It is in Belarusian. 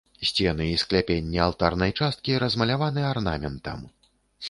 Сцены і скляпенні алтарнай часткі размаляваны арнаментам.